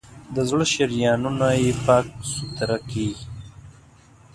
د زړه شریانونه یې پاک سوتړه کېږي.